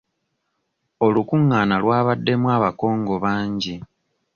Olukungaana lw'abaddemu abakongo bangi.